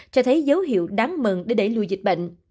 cho thấy dấu hiệu đáng mừng để đẩy lùi dịch bệnh